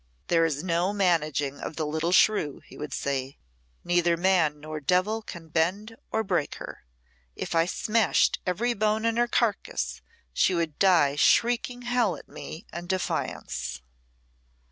"There is no managing of the little shrew," he would say. "Neither man nor devil can bend or break her. If I smashed every bone in her carcass, she would die shrieking hell at me and defiance."